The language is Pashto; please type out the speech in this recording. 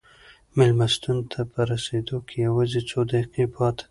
مېلمستون ته په رسېدو کې یوازې څو دقیقې پاتې دي.